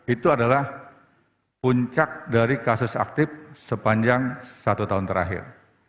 itu adalah puncak dari kasus aktif sepanjang satu tahun terakhir